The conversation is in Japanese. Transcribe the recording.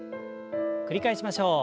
繰り返しましょう。